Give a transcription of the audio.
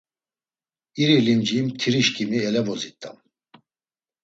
İri limci mtirişǩimi elevozit̆am.